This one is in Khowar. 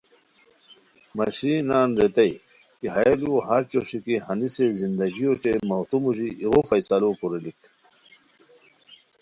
مہ شیرین نان ریتائے کی ہیہ لوؤ ہݰ جوݰے کی ہنیسے زندگی اوچے مَوتو موژی ایغو فیصلو کوریلیک